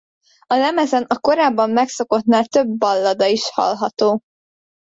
A lemezen a korábban megszokottnál több ballada is hallható.